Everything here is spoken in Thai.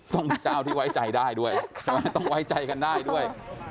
ต้องเป็นเจ้าที่ไว้ใจได้ด้วยใช่ไหมต้องไว้ใจกันได้ด้วย